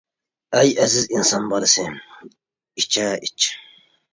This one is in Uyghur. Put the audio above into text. ئەي ئەزىز ئىنسان بالىسى، ئىچە، ئىچ.